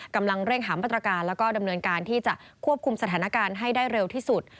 กำลังเร่งหามมาตรการแล้วก็ดำเนินการที่จะควบคุมสถานการณ์ให้ได้เร็วที่สุด